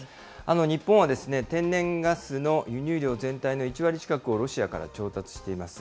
日本は天然ガスの輸入量全体の１割近くをロシアから調達しています。